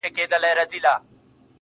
o پر وجود څه ډول حالت وو اروا څه ډول وه.